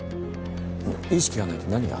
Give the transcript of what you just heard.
意識がないって何が？